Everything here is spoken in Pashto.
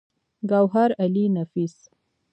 ګوهرعلي نفيس